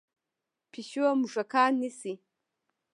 پیشو موږکان نیسي.